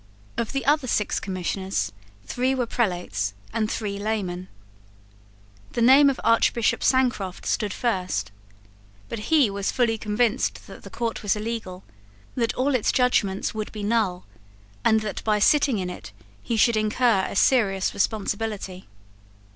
Of the other six Commissioners three were prelates and three laymen. The name of Archbishop Sancroft stood first. But he was fully convinced that the court was illegal, that all its judgments would be null, and that by sitting in it he should incur a serious responsibility.